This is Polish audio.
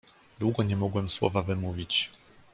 "Długo nie mogłem słowa wymówić."